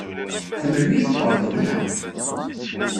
Tḥemmlem ad iyi-tqerḍem, naɣ?